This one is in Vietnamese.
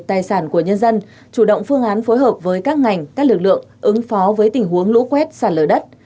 tài sản của nhân dân chủ động phương án phối hợp với các ngành các lực lượng ứng phó với tình huống lũ quét sạt lở đất